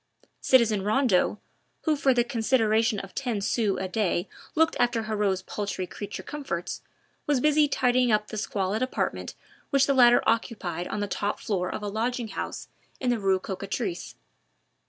Citizen Rondeau, who for the consideration of ten sous a day looked after Heriot's paltry creature comforts, was busy tidying up the squalid apartment which the latter occupied on the top floor of a lodging house in the Rue Cocatrice.